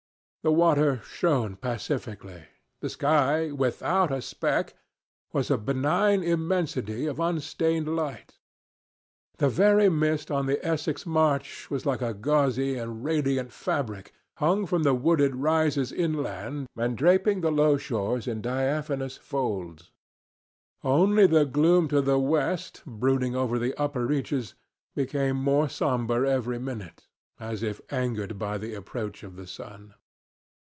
The water shone pacifically; the sky, without a speck, was a benign immensity of unstained light; the very mist on the Essex marshes was like a gauzy and radiant fabric, hung from the wooded rises inland, and draping the low shores in diaphanous folds. Only the gloom to the west, brooding over the upper reaches, became more somber every minute, as if angered by the approach of the sun.